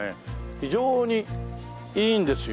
非常にいいんですよ。